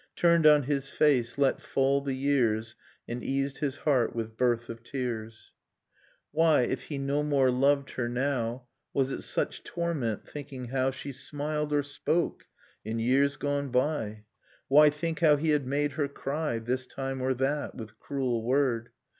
Turned on his face, let fall the years. And eased his heart with birth of tears. Nocturne of Remembered Spring Why, if he no more loved her now, Was it such torment, thinking how She smiled, or spoke, in years gone by? Why think how he had made her cry. This time or that, with cruel word?